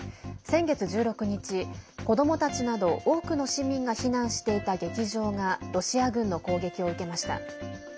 先月１６日、子どもたちなど多くの市民が避難していた劇場がロシア軍の攻撃を受けました。